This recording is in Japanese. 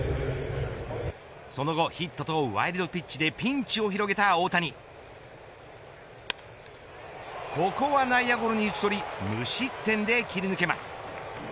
その後、ヒットとワイルドピッチでピンチを広げた大谷ここは内野ゴロに打ち取り無失点で切り抜けます。